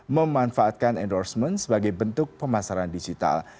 memanfaatkan endorsement sebagai bentuk pemasaran digital